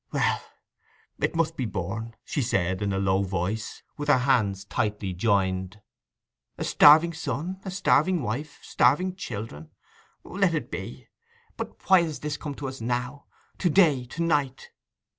'Well, it must be borne,' she said, in a low voice, with her hands tightly joined. 'A starving son, a starving wife, starving children! Let it be. But why is this come to us now, to day, to night?